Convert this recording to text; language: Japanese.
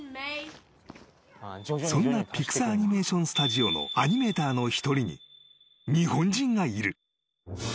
［そんなピクサー・アニメーション・スタジオのアニメーターの一人に日本人がいる］